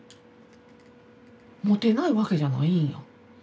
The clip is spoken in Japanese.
モテないわけじゃないんや。